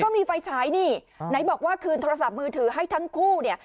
มีไฟฉายนี่ไหนบอกว่าคืนโทรศัพท์มือถือให้ทั้งคู่เนี่ย